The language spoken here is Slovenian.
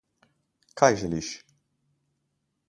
Kaj želiš?